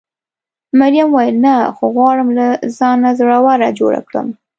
مريم وویل: نه، خو غواړم له ځانه زړوره جوړه کړم.